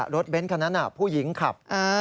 เบ้นคันนั้นผู้หญิงขับ